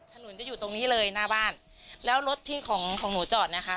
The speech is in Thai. ถนนจะอยู่ตรงนี้เลยหน้าบ้านแล้วรถที่ของของหนูจอดนะคะ